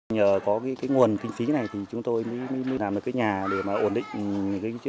nhờ có cái nguồn kinh phí này thì chúng tôi mới làm được cái nhà để mà ổn định